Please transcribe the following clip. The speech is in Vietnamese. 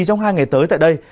trong hai ngày tới tại đây